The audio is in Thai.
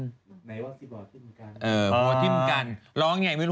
ซึ่งหมายถึงหัวทิ้มกัน